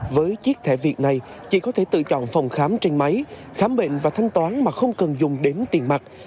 với chiếc thẻ viện này chị có thể tự chọn phòng khám trên máy khám bệnh và thanh toán mà không cần dùng đếm tiền mặt